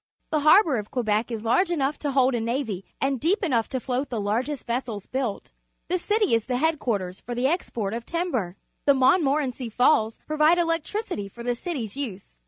The harbour of Quebec is l arge enough to ho ld a n avy and deep enough to float the largest vessels built. The city is the head quarters for the export of timber. The Montmorenc y Falls provide electricity for the city's use.